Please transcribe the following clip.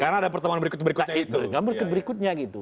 karena ada pertemuan berikut berikutnya itu